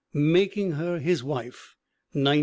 Making Her His Wife, 1918.